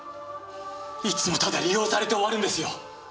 いつもただ利用されて終わるんですよ。